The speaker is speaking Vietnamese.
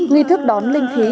nghi thức đón linh khí